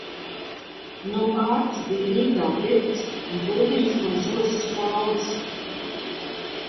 Nu āķis bija Rīgā pirkts un pludiņš no zosu spalvas.